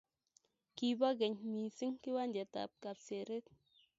Kibo kenye mising kiwanjet ab Kapseret